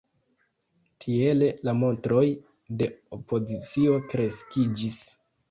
Tiele la montroj de opozicio kreskiĝis.